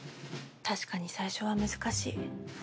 確かに最初は難しい。